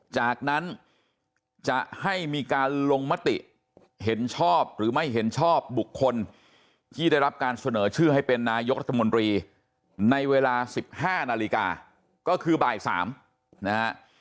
จากนั้นจะให้มีการลงมติเห็นชอบหรือไม่เห็นชอบบุคคลที่ได้รับการเสนอชื่อให้เป็นนายกรัฐมนตรีในเวลา๑๕นาฬิกาก็คือบ่าย๓นะฮะ